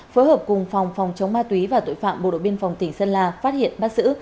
phối hợp cùng phòng phòng chống ma túy và tội phạm bộ đội biên phòng tỉnh sơn la phát hiện bắt giữ